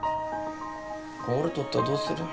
これ折れとったらどうする？